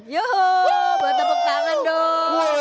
yuk buat tepuk tangan dong